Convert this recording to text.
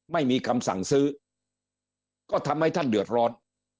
ไม่มีคำสั่งซื้อก็ทำให้ท่านเดือดร้อน